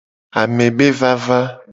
Ame be vava.